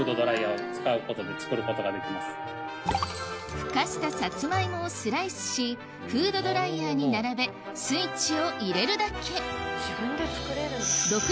ふかしたサツマイモをスライスしフードドライヤーに並べスイッチを入れるだけ自分で作れるんですね。